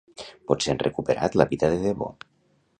Potser han recuperat la vida de debò.